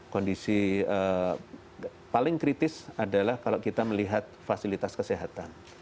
kondisi paling kritis adalah kalau kita melihat fasilitas kesehatan